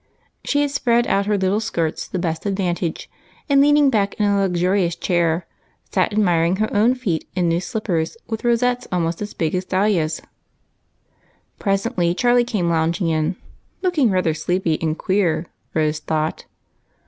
She had spread out her little skirts to the best advantnge, and, leaning back in a luxurious chair, sat admiring her own feet in new slippers with rosettes almost as big as dahlias. Presently Charlie came lounging in, looking rather sleepy and queer. Rose thought.